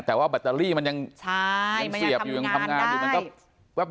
แต่ว่าแบตเตอรี่มันยังใช่ยังเสียบยังทำงานได้มันก็